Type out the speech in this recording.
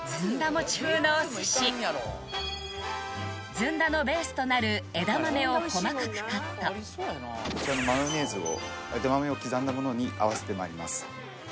餅風のお寿司ずんだのベースとなる枝豆を細かくカットこちらのマヨネーズを枝豆を刻んだものに合わせてまいります